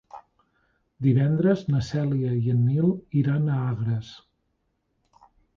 Divendres na Cèlia i en Nil iran a Agres.